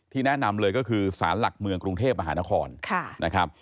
ที่แนะนำเลยก็คือสารหลักเมืองกรุงเทพฯอาหารคร